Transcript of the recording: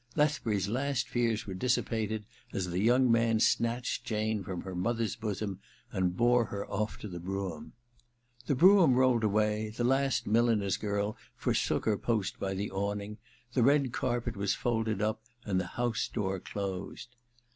Leth bury 's last fears were dissipated as the young o 194 THE MISSION OF JANE vi man snatched Jane from her mother's bosom and bore her off to the brougham. The brougham rolled away, the last milliner's girl forsook her post by the awning, the red carpet was folded up, and the house door closed.